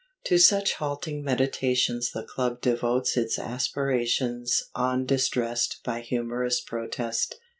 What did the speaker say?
To such halting meditations the Club devotes its aspirations undistressed by humorous protest.